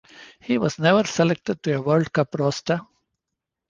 He was never selected to a World Cup roster.